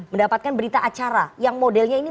mendapatkan berita acara yang modelnya ini